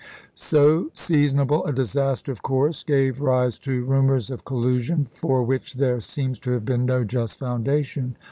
So seasonable a disaster of course gave rise to rumors of collusion, for which there seems to have been no just foundation.